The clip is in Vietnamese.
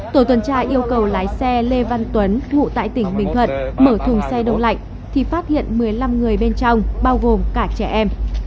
tổ tuần tra yêu cầu lái xe lê văn tuấn ngụ tại tỉnh bình thuận mở thùng xe đông lạnh thì phát hiện một mươi năm người bên trong bao gồm cả trẻ em